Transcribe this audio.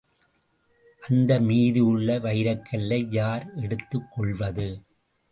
அந்த மீதியுள்ள வைரக்கல்லை யார் எடுத்துக் கொள்வது?